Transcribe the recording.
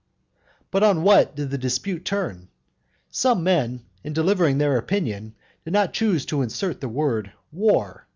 But on what did the dispute turn? Some men, in delivering their opinion, did not choose to insert the word "war".